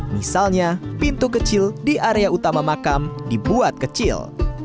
misalnya pintu kecil di area utama makam dibuat kecil